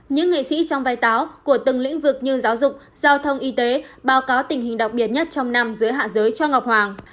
những nghệ sĩ trong vai táo của từng lĩnh vực như giáo dục giao thông y tế báo cáo tình hình đặc biệt nhất trong năm giữa hạ giới cho ngọc hoàng